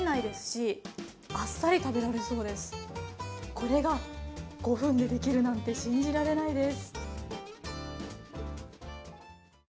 これが５分でできるなんて信じられないです。